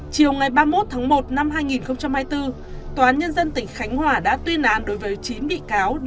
chiều ngày ba mươi một tháng một năm hai nghìn hai mươi bốn tòa án nhân dân tỉnh khánh hòa đã tuyên án đối với chín bị cáo